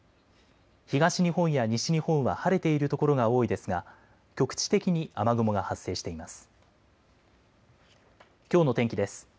東日本や西日本は晴れている所が多いですが局地的に雨雲が発生しています。